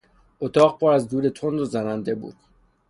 اتاق پر از دود تند و زننده بود.